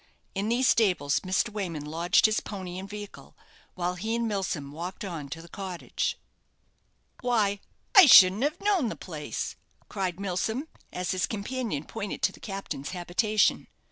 In these stables Mr. Wayman lodged his pony and vehicle, while he and Milsom walked on to the cottage. "Why I shouldn't have known the place!" cried Milsom, as his companion pointed to the captain's habitation.